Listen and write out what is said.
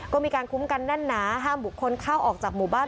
ก็มีการคุ้มกันแน่นหนาห้ามบุคคลเข้าออกจากหมู่บ้าน